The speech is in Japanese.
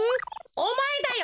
おまえだよ！